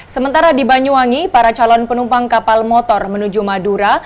sementara di banyuwangi para calon penumpang kapal motor menuju madura